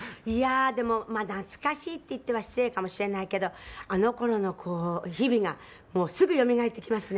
黒柳：懐かしいって言っては失礼かもしれないけどあの頃の日々がすぐ、よみがえってきますね。